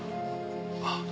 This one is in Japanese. あっ。